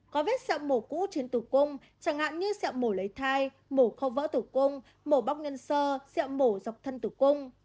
có vết sẹo mổ cũ trên tủ cung chẳng hạn như sẹo mổ lấy thai mổ khâu vỡ tủ cung mổ bóc nhân sơ sẹo mổ dọc thân tủ cung